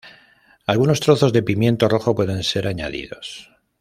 Algunos trozos de pimiento rojo pueden ser añadidos.